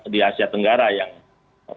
di asia tenggara yang problematik ya